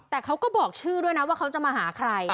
แต่เขาก็บอกชื่อด้วยนะว่าเขาจะมาหาใคร